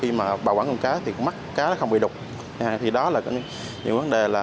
họ yêu cầu mắt cá không bị đục khi bào quảng cụm cá